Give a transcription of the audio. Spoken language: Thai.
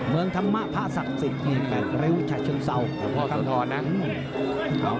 เมืองธรรมะพระศักดิ์สิทธิ์มีแบบเร็วฉะเชิงเศร้า